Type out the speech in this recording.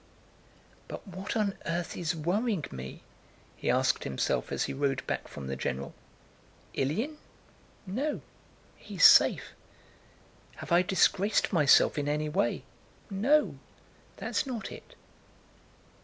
"But what on earth is worrying me?" he asked himself as he rode back from the general. "Ilyín? No, he's safe. Have I disgraced myself in any way? No, that's not it."